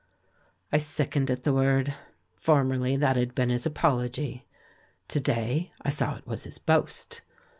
I sickened at the word ; formerly that had been his apology; to day, I saw it was his boast.